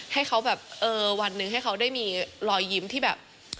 ให้เขาแบบเออวันหนึ่งให้เขาได้มีรอยยิ้มที่แบบ